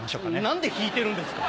何で引いてるんですか！